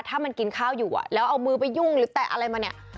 ถ้ามันกินข้าวอยู่อ่ะแล้วเอามือไปยุ่งหรือแตะอะไรมาเนี่ย